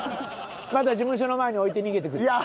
また事務所の前に置いて逃げてくる。